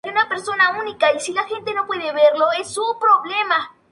En Irlanda del Norte los prejuicios hacia los nómadas irlandeses se han vuelto sectarios.